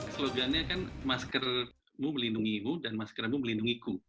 slogannya kan masker melindungimu dan maskermu melindungiku